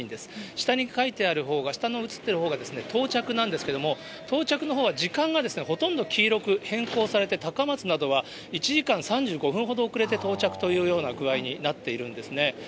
下に書いてあるほうが、下に映ってるほうが到着なんですけれども、到着のほうは時間がほとんど黄色く変更されて、高松などは１時間３５分ほど遅れて到着というような具合になっているんですね。